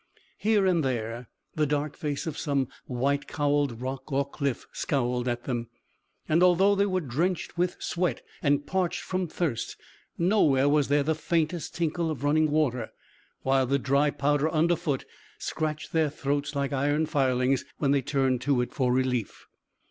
Here and there the dark face of some white cowled rock or cliff scowled at them, and although they were drenched with sweat and parched from thirst, nowhere was there the faintest tinkle of running water, while the dry powder under foot scratched their throats like iron filings when they turned to it for relief.